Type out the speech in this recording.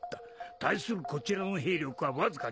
対するこちらの兵力はわずか２千。